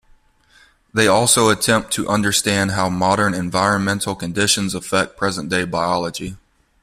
They also attempt to understand how modern environmental conditions affect present-day biology.